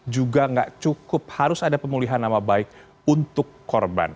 juga nggak cukup harus ada pemulihan nama baik untuk korban